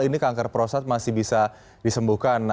ini kanker prostat masih bisa disembuhkan